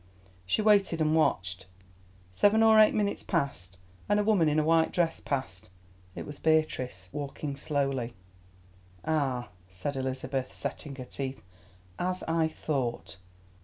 She waited and watched. Seven or eight minutes passed, and a woman in a white dress passed. It was Beatrice, walking slowly. "Ah!" said Elizabeth, setting her teeth, "as I thought."